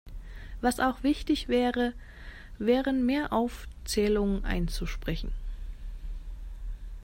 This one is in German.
Was auch wichtig wäre, wären mehr Aufzählungen einzusprechen.